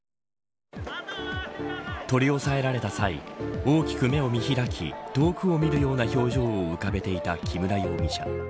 取り押さえられた際大きく目を見開き遠くを見るような表情を浮かべていた木村容疑者。